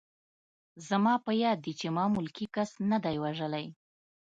زما په یاد دي چې ما ملکي کس نه دی وژلی